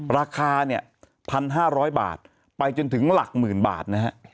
ราคาเนี่ย๑๕๐๐บาทไปจนถึงหลักหมื่นบาทนะฮะ